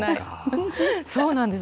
そうなんです。